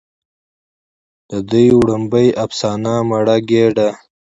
د دوي وړومبۍ افسانه " مړه ګيډه